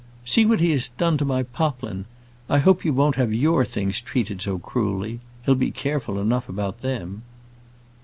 "See what he has done to my poplin; I hope you won't have your things treated so cruelly. He'll be careful enough about them."